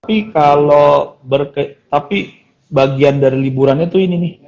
tapi kalau berke tapi bagian dari liburannya itu ini nih